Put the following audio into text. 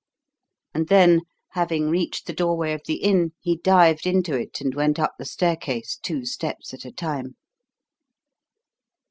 And then, having reached the doorway of the inn, he dived into it and went up the staircase two steps at a time.